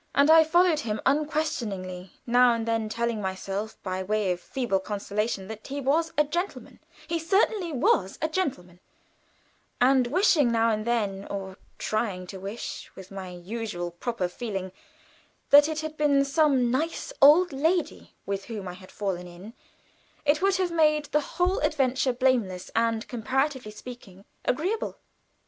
And I followed him unquestioningly, now and then telling myself, by way of feeble consolation, that he was a gentleman he certainly was a gentleman and wishing now and then, or trying to wish, with my usual proper feeling, that it had been some nice old lady with whom I had fallen in: it would have made the whole adventure blameless, and, comparatively speaking, agreeable.